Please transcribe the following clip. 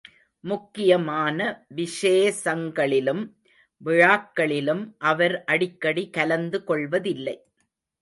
முக்கியமான விஷேசங்களிலும் விழாக்களிலும் அவர் அடிக்கடி கலந்து கொள்வதில்லை.